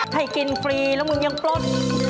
ให้กินฟรีแล้วมึงยังปลด